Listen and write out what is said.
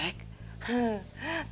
takutnya ada yang cemburu om